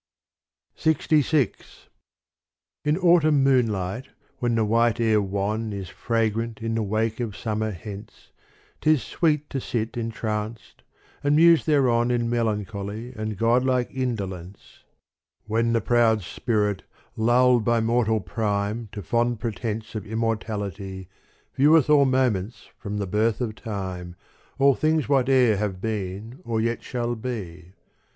LXVI In autumn moonlight when the white air wan Is fragrant in the wake of summer hence 'T is sweet to sit entranced and muse thereon In melancholy and godlike indolence : When the proud spirit lulled by mortal prime To fond pretence of immortality Vieweth all moments from the birth of time, All things whate'er have been or yet shall be.